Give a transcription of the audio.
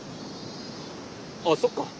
あっそっか。